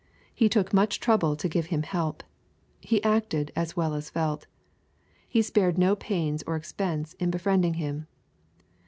He took much trouble to give him help. He acted as well as felt. He spared no pains or expense in befriending him.